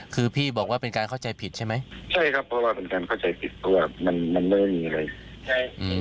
คือพี่บอกว่าเป็นการเข้าใจผิดใช่ไหม